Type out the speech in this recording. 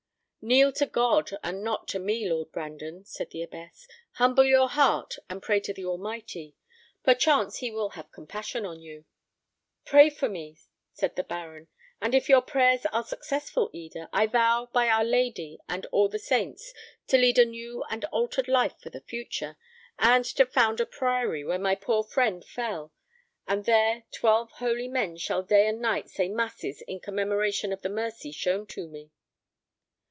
'Kneel to God, and not to me, Lord Brandon,' said the abbess; 'humble your heart, and pray to the Almighty. Perchance he will have compassion on you.' "'Pray for me,' said the baron; 'and if your prayers are successful, Eda, I vow by Our Lady and all the saints, to lead a new and altered life for the future, and to found a priory where my poor friend fell, and there twelve holy men shall day and night say masses in commemoration of the mercy shown to me.'